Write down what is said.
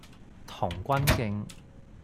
童軍徑